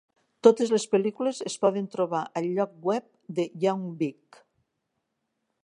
Totes les pel·lícules es poden trobar al lloc web de Young Vic.